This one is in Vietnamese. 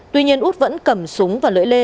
tuy nhiên út vẫn cầm súng và lưỡi lê